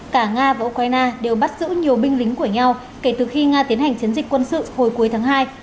cả nga và ukraine đều bắt giữ nhiều binh lính của nhau kể từ khi nga tiến hành chiến dịch quân sự hồi cuối tháng hai